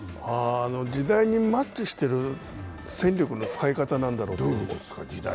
時代にマッチしている戦力の使い方なんだろうと。